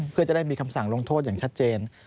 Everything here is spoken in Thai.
เพื่อจะได้มีคำสั่งลงโทษอย่างชัดเจน